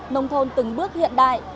nông thôn từng bước hiện đại